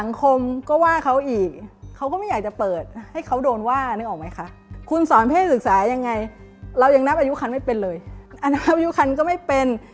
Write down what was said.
อนามวิวคันก็ไม่เป็น